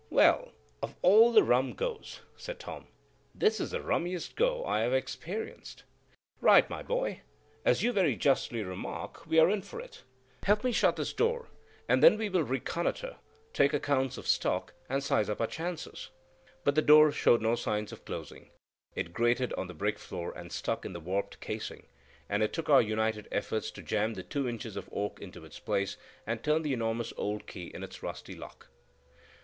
"Well, of all the rum goes," said Tom, "this is the rummiest go I ever experienced!" "Right, my boy; as you very justly remark, we are in for it. Help me shut this door, and then we will reconnoitre, take account of stock, and size up our chances." But the door showed no sign of closing; it grated on the brick floor and stuck in the warped casing, and it took our united efforts to jam the two inches of oak into its place, and turn the enormous old key in its rusty lock.